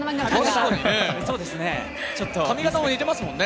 髪形も似てますもんね。